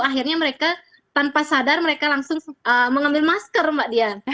akhirnya mereka tanpa sadar mereka langsung mengambil masker mbak dian